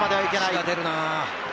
足が出るな。